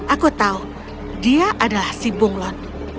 aku tahu dia adalah si bunglon